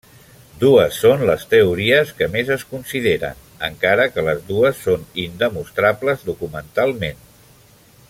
Dues són les teories que més es consideren, encara que les dues són indemostrables documentalment.